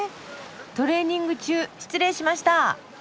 トレーニング中失礼しました。